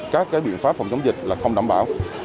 các biện pháp phòng chống dịch là không đảm bảo